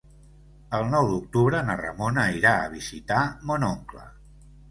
El nou d'octubre na Ramona irà a visitar mon oncle.